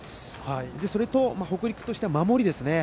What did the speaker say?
それと北陸は守りですね。